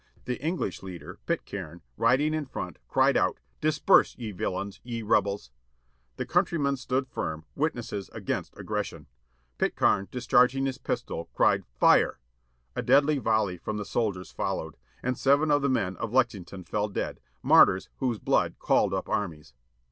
The English leader, Pitcaim, riding in front, cried out "Disperse, ye villains, ye rebels." The country men stood firm, witnesses against aggression. Pitcaim discharging his pistol, cried "Fire." A deadly volley from the soldiers followed. And seven of the men of Lexington fell dead, martjTS whose blood called up armies.